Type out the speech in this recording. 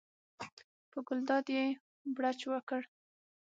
په ګلداد یې بړچ وکړ.